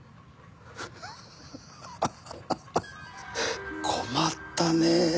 ハハハハ困ったねぇ。